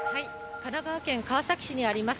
神奈川県川崎市にあります